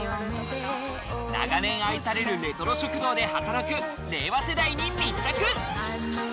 長年愛されるレトロ食堂で働く令和世代に密着。